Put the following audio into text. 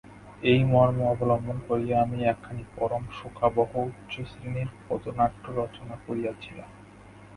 এই মর্ম অবলম্বন করিয়া আমি একখানি পরম শোকাবহ উচ্চশ্রেণীর পদ্যনাটক রচনা করিয়াছিলাম।